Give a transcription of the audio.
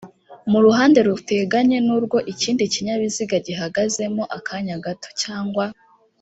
mu ruhande ruteganye n urwo ikindi kinyabiziga gihagazemo akanya gato cyangwa